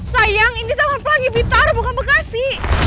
sayang ini taman pelangi pintar bukan bekasi